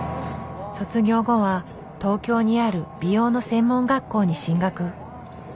卒業後は東京にある美容の専門学校に進学。